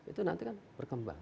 itu nanti kan berkembang